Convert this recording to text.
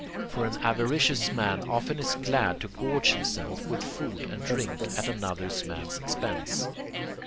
For an avaricious man often is glad to gorge himself with food and drink at another man's expense.